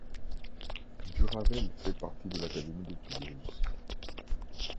Duravel fait partie de l'académie de Toulouse.